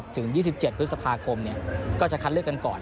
ถึง๒๗พฤษภาคมก็จะคัดเลือกกันก่อน